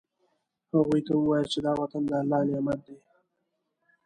هغوی ته ووایاست چې دا وطن د الله نعمت دی.